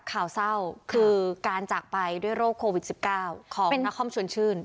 ข่าวเศร้าคือการจากไปด้วยโรคโควิด๑๙ของนครชวนชื่น